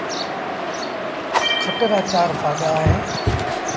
کٽ رآ چآر پآڳآ اهيݩ۔